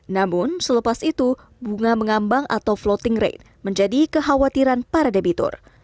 namun selepas itu bunga mengambang atau floating rate menjadi kekhawatiran para debitur